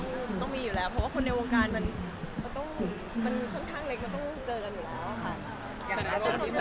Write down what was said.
มันก็จะรวมรูปแล้วรวมรูปเราอะไรอย่างนี้